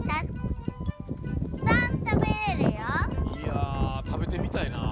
いやたべてみたいなあれ。